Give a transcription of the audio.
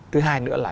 thứ hai nữa là